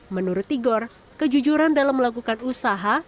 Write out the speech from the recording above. menurut tigor kejujuran dalam melakukan usaha